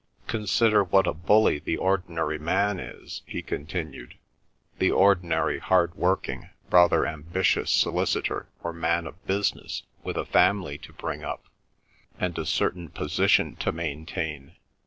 Consider what a bully the ordinary man is," he continued, "the ordinary hard working, rather ambitious solicitor or man of business with a family to bring up and a certain position to maintain.